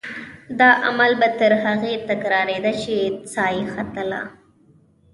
دا عمل به تر هغې تکرارېده چې سا یې ختله.